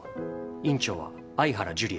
院長は愛原樹里